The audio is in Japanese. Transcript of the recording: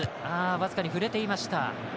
僅かに触れていました。